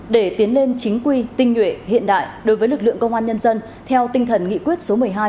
để tiến lên chính quy tinh nhuệ hiện đại đối với lực lượng công an nhân dân theo tinh thần nghị quyết số một mươi hai